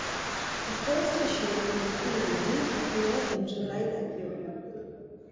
The first issue of the monthly magazine appeared in July that year.